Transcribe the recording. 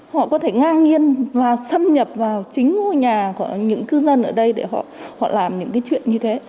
họ có thể ngang nhiên và xâm nhập vào chính ngôi nhà của những cư dân ở đây để họ làm những cái chuyện như thế